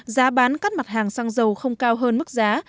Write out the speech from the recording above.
giá bán các mặt hàng xăng dầu không cao hơn mức giá